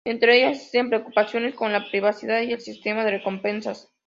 Entre ellas existen preocupaciones con la privacidad y el sistema de recompensas.